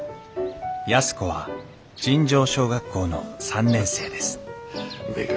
安子は尋常小学校の３年生ですうめえか？